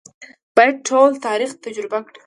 باید ټول تاریخ تجربه کړي.